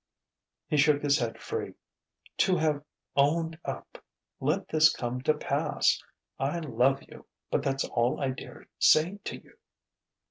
He shook his head free. "To have owned up let this come to pass. I love you: but that's all I dare say to you."